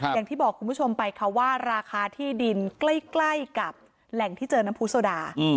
อย่างที่บอกคุณผู้ชมไปค่ะว่าราคาที่ดินใกล้กับแหล่งที่เจอน้ำผู้โซดา